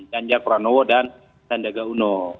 janja pranowo dan sandaga uno